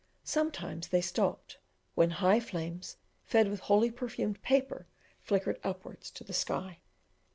Sometimes they stopped, when high flames, fed with holy perfumed paper, flickered upwards to the sky.